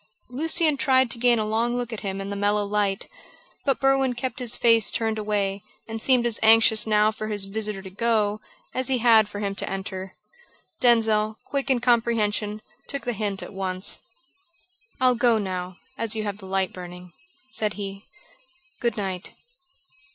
Lucian tried to gain a long look at him in the mellow light, but Berwin kept his face turned away, and seemed as anxious now for his visitor to go as he had been for him to enter. Denzil, quick in comprehension, took the hint at once. "I'll go now, as you have the light burning," said he. "Good night."